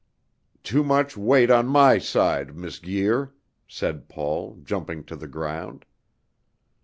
"Too much weight on my side, Miss Guir," said Paul, jumping to the ground.